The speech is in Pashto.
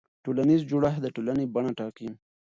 ټولنیز جوړښت د ټولنې بڼه ټاکي.